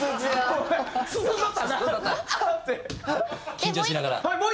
緊張しながら。